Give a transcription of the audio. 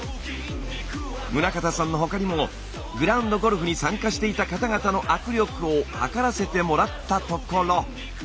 宗像さんの他にもグラウンドゴルフに参加していた方々の握力を測らせてもらったところ。